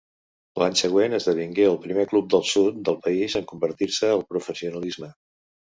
L'any següent esdevingué el primer club del sud del país en convertir-se al professionalisme.